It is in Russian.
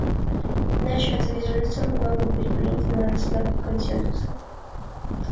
Иначе эта резолюция могла бы быть принята на основе консенсуса.